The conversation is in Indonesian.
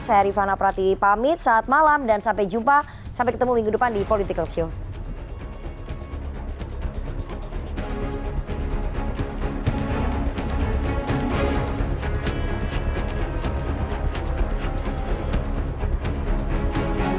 saya rifana prati pamit saat malam dan sampai jumpa sampai ketemu minggu depan di political show